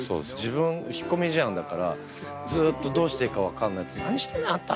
自分引っ込み思案だからずっとどうしていいか分かんない「何してんのあんた！」